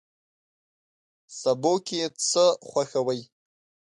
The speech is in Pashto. سبو کی څه خوښوئ؟